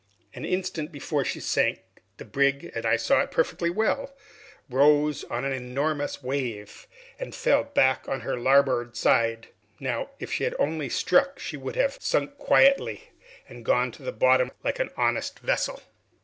An instant before she sank, the brig, as I saw perfectly well, rose on an enormous wave, and fell back on her larboard side. Now, if she had only struck, she would have sunk quietly and gone to the bottom like an honest vessel."